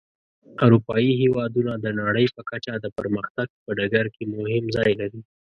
اروپایي هېوادونه د نړۍ په کچه د پرمختګ په ډګر کې مهم ځای لري.